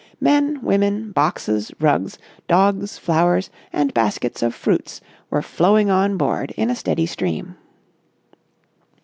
Men, women, boxes, rugs, dogs, flowers, and baskets of fruits were flowing on board in a steady stream.